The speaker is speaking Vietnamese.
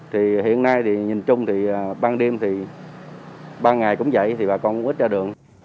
thì hiện nay thì nhìn chung thì ban đêm thì ban ngày cũng vậy thì bà con ít ra đường